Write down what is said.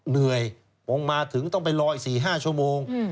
เหนื่อยลงมาถึงต้องไปรออีกสี่ห้าชั่วโมงอืม